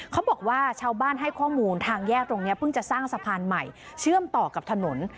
ชาวบ้านให้ข้อมูลทางแยกตรงนี้เพิ่งจะสร้างสะพานใหม่เชื่อมต่อกับถนน